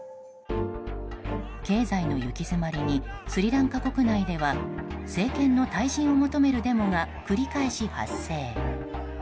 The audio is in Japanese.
経済の行き詰まりにスリランカ国内では政権の退陣を求めるデモが繰り返し発生。